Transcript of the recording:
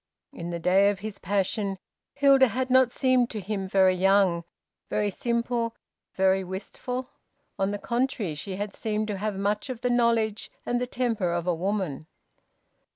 In the day of his passion Hilda had not seemed to him very young, very simple, very wistful. On the contrary she had seemed to have much of the knowledge and the temper of a woman.